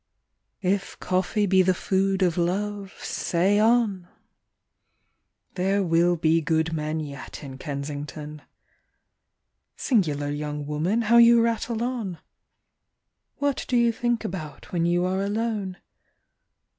If coffee be the food of love, say on !— There will be good men yet in Kensington !— Singular young woman, how you rattle on ! What do you think about when you are alone